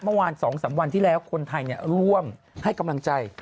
เมื่อวาน๒๓วันที่แล้วคนไทยร่วมให้กำลังใจ